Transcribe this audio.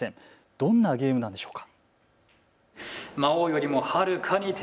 どんなゲームなんでしょうか。